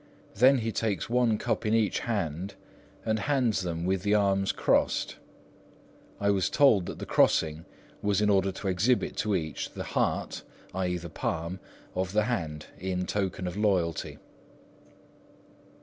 Then he takes one cup in each hand, and hands them with the arms crossed. I was told that the crossing was in order to exhibit to each the "heart," i.e. the palm, of the hand, in token of loyalty.